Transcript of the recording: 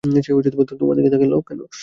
সে তোমার দিকে তাকালো কেন?